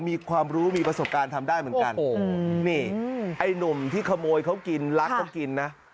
มีความรู้มีประสบการณ์ทำได้เหมือนกันนี่ไอ้หนุ่มที่ขโมยเขากินรักเขากินนะ